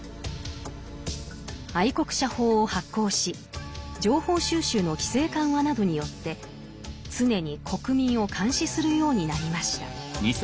愛国者法を発効し情報収集の規制緩和などによって常に国民を監視するようになりました。